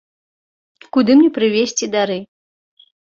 Куды мне прывезці дары?